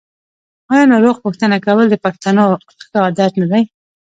آیا ناروغ پوښتنه کول د پښتنو ښه عادت نه دی؟